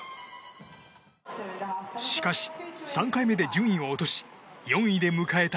しかし、３回目で順位を落とし４位で迎えた